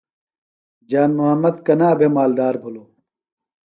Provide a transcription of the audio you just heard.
جان محمد کنا بھےۡ مالدار بِھلوۡ؟